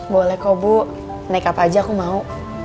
boleh kok bu naik apa aja aku mau